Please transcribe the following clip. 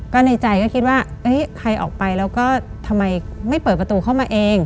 ก็ในใจก็คิดว่าใครออกไปแล้วก็ทำไมไม่เปิดประตูเข้ามาเอง